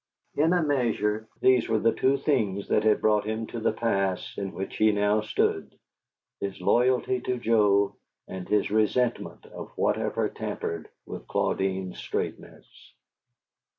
In a measure, these were the two things that had brought him to the pass in which he now stood, his loyalty to Joe and his resentment of whatever tampered with Claudine's straightness.